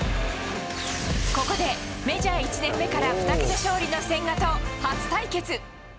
ここで、メジャー１年目から２桁勝利の千賀と初対決。